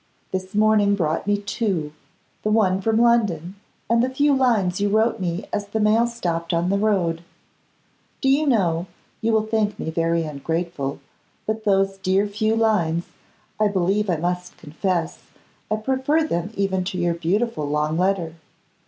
This morning brought me two; the one from London, and the few lines you wrote me as the mail stopped on the road. Do you know, you will think me very ungrateful, but those dear few lines, I believe I must confess, I prefer them even to your beautiful long letter.